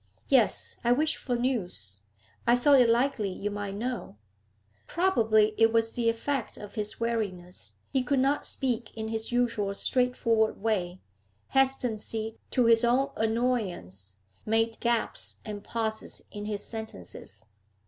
'Yes. I wish for news. I thought it likely you might know ' Probably it was the effect of his weariness; he could not speak in his usual straightforward way; hesitancy, to his own annoyance, made gaps and pauses in his sentences.